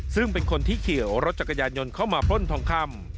ซึ่งเป็นคนที่ขี่รถจักรยานยนต์เข้ามาปล้นทองคำ